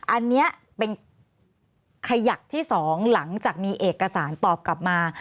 อันนี้เป็นขยักที่๒หลังจากมีเอกสารตอบกลับมา